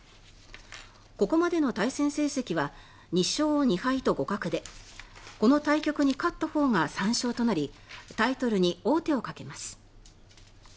ここまでの対戦成績は２勝２敗と互角でこの対局に勝ったほうが３勝となりタイトルに王手をかけます。